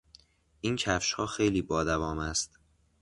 این کفشها خیلی با دوام است.